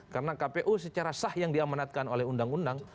karena kpu secara sah yang diamanatkan oleh undang undang